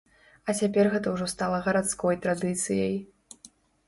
А цяпер гэта ўжо стала гарадской традыцыяй.